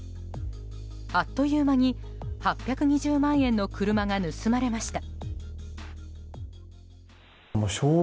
あっという間に８２０万円の車が盗まれました。